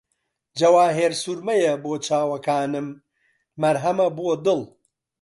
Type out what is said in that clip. جەواهیرسورمەیە بۆ چاوەکانم، مەرهەمە بۆ دڵ